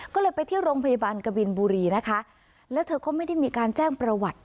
ก็เลยไปที่โรงพยาบาลกบินบุรีนะคะแล้วเธอก็ไม่ได้มีการแจ้งประวัติ